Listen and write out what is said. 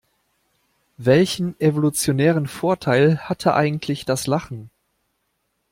Welchen evolutionären Vorteil hatte eigentlich das Lachen?